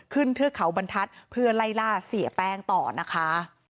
เทือกเขาบรรทัศน์เพื่อไล่ล่าเสียแป้งต่อนะคะ